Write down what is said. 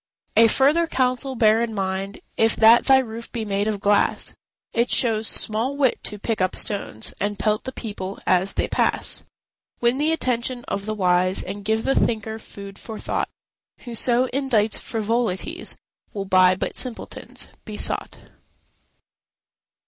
A further counsel bear in mind: If that thy roof be made of glass, It shows small wit to pick up stones To pelt the people as they pass. Win the attention of the wise, And give the thinker food for thought; Whoso indites frivolities, Will but by simpletons be sought.